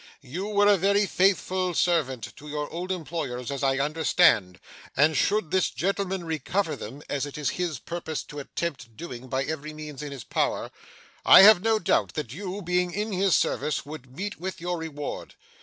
You were a very faithful servant to your old employers, as I understand, and should this gentleman recover them, as it is his purpose to attempt doing by every means in his power, I have no doubt that you, being in his service, would meet with your reward.